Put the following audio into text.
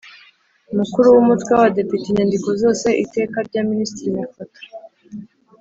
Mukuru w umutwe w abadepite inyandiko zose iteka rya minisitiri mifotra